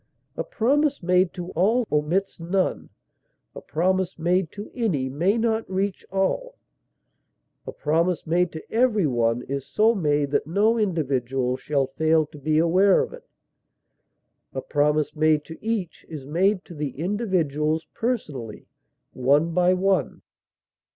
A promise made to all omits none; a promise made to any may not reach all; a promise made to every one is so made that no individual shall fail to be aware of it; a promise made to each is made to the individuals personally, one by one.